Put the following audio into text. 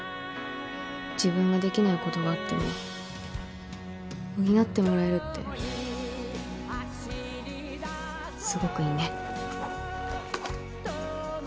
自分ができないことがあっても補ってもらえるってすごくいいね。